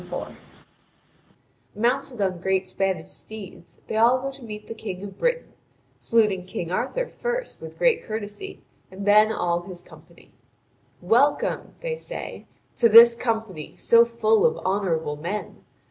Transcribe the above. Mounted on great Spanish steeds, they all go to meet the King of Britain, saluting King Arthur first with great courtesy and then all his company. "Welcome," they say, "to this company, so full of honourable men!